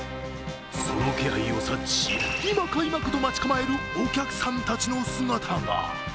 その気配を察知し、今か今かと待ち構えるお客さんたちの姿が。